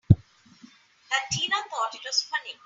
That Tina thought it was funny!